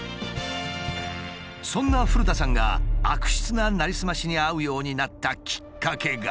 そんな古田さんが悪質ななりすましに遭うようになったきっかけが。